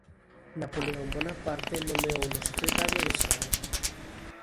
Napoleón Bonaparte nomeouno secretario de Estado.